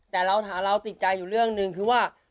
แต่เราหาเราติดใจอยู่เรื่องหนึ่งคือว่า